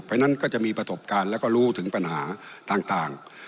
เพราะฉะนั้นก็จะมีประสบการณ์แล้วก็รู้ถึงปัญหาต่าง